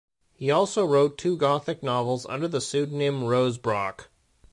He also wrote two gothic novels under the pseudonym Rose Brock.